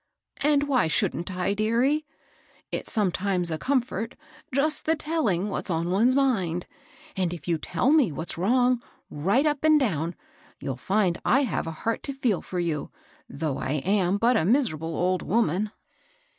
And why shouldn't I, dearie ? It's sometimes a comfort, just t\v^ \j^\Ti^N^\a&^ ^«^ 270 MABEL ROSS. one's mind ; and if youM tell me what's wrong, right up and down, you'd find I have a heart to feel for you, though I am but a miserable old woman."